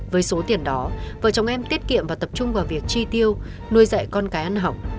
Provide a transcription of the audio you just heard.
với số tiền đó vợ chồng em tiết kiệm và tập trung vào việc chi tiêu nuôi dạy con cái ăn học